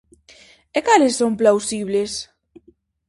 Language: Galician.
E cales son plausibles?